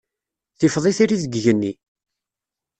Tifeḍ itri deg yigenni.